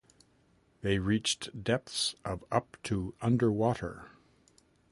They reach depths of up to underwater.